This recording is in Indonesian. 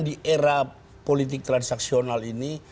di era politik transaksional ini